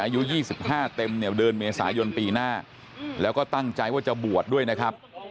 อายุ๒๕เต็มเนี่ยเดือนเมษายนปีหน้าแล้วก็ตั้งใจว่าจะบวชด้วยนะครับ